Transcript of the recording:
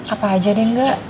apa aja deh enggak